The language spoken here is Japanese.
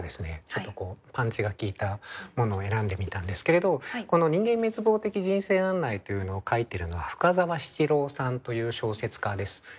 ちょっとこうパンチが効いたものを選んでみたんですけれどこの「人間滅亡的人生案内」というのを書いてるのは深沢七郎さんという小説家です。